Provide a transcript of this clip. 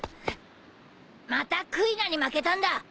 またくいなに負けたんだ！